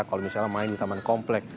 kalau misalnya main di taman komplek